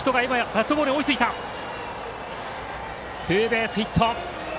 ツーベースヒット。